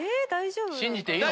⁉信じていいのね？